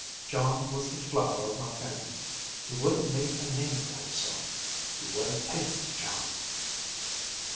John was the flower o' my family. He would have made a name for himself. You would have taken to John."